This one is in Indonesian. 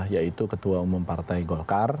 yaitu ketua umum partai golkar